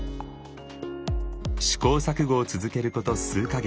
試行錯誤を続けること数か月。